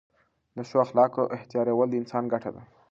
د ښو اخلاقو احتیارول د انسان ګټه ده.